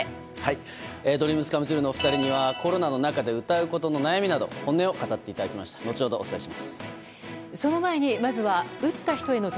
ＤＲＥＡＭＳＣＯＭＥＴＲＵＥのお二人にはコロナの中で歌うことの悩みなど本音を語っていただきました。